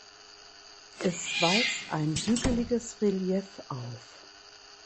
Es weist ein hügeliges Relief auf.